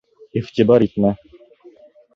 Иғтибар итмә.